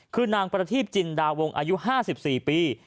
คือนางประทีปจินดาวงอายุ๕๔ปี